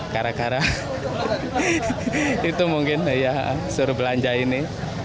gara gara itu mungkin ya suruh belanja ini